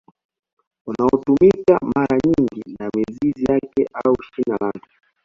Unaotumika mara nyingi na mizizi yake au shina lake